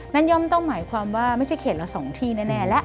ย่อมต้องหมายความว่าไม่ใช่เขตละ๒ที่แน่แล้ว